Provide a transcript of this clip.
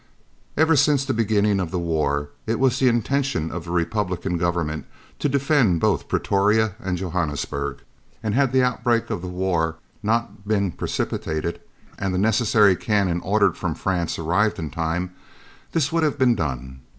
Ever since the beginning of the war it was the intention of the Republican Government to defend both Pretoria and Johannesburg, and had the outbreak of the war not been precipitated, and the necessary cannon ordered from France arrived in time, this would have been done.